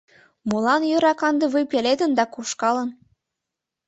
Молан йӧра кандывуй пеледын да кошкалын?